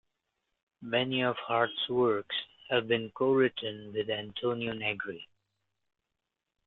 Many of Hardt's works have been co-written with Antonio Negri.